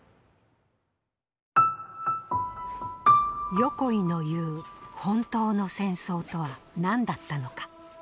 横井の言う「本当の戦争」とは何だったのか。